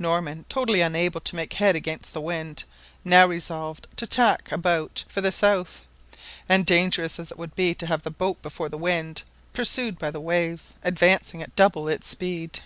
Norman, totally unable to make head against the wind, now resolved to tack about for the south, dangerous as it would be to have the boat before the wind, pursued by waves advancing at double its speed.